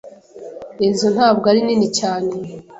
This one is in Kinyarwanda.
Iyi nzu ntabwo ari nini cyane.